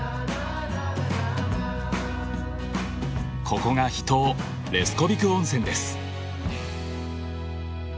ここが秘湯レスコビク温泉です。